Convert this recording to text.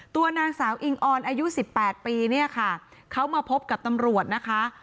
ตัวนางสาวอิงออนอายุสิบแปดปีเนี่ยค่ะเขามาพบกับตำรวจนะคะ